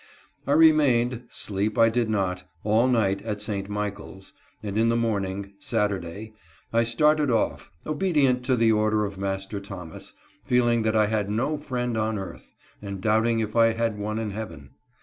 I remained — sleep I did not — all night at St. Michaels, and in the morning (Saturday) I started off, obedient to the order of Master Thomas, feeling that I had no friend on earth, and doubting if I had one in heaven.